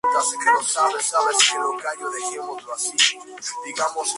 El cuerpo del beisbolista nunca fue recuperado.